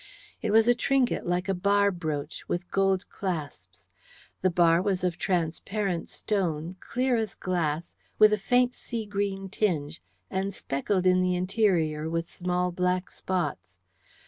It was a trinket like a bar brooch, with gold clasps. The bar was of transparent stone, clear as glass, with a faint sea green tinge, and speckled in the interior with small black spots.